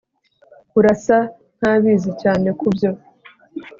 Urasa nkabizi cyane kubyo